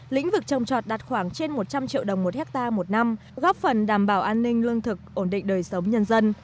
lĩnh vực trồng trọt đạt khoảng trên một trăm linh triệu đồng một hectare một năm góp phần đảm bảo an ninh lương thực ổn định đời sống nhân dân